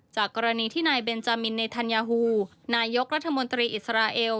กรณีที่นายเบนจามินในธัญญาฮูนายกรัฐมนตรีอิสราเอล